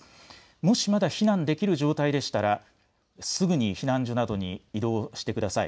もしまだ避難できる状態でしたらすぐに避難所などに移動してください。